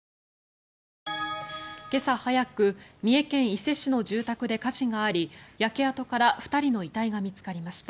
今朝早く三重県伊勢市の住宅で火事があり焼け跡から２人の遺体が見つかりました。